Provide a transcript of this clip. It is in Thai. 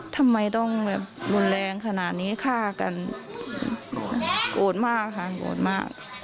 ทำไมต้องแบบรุนแรงขนาดนี้ฆ่ากันโกรธมากค่ะโกรธมาก